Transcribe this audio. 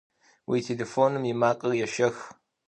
Уи телефоным и макъыр ешэх!